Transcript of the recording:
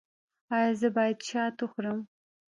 ایا زه باید شات وخورم؟